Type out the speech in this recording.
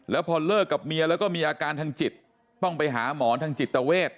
แล้วพอเลิกกับเมียแล้วก็มีอาการทางจิตต้องไปหาหมอทางจิตเวท